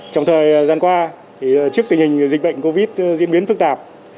trong thời gian qua trước tình hình dịch bệnh covid diễn biến phức tạp